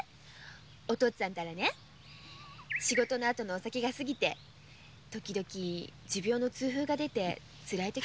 お父っつぁん仕事の後のお酒が過ぎて時々持病の痛風が出てつらいの。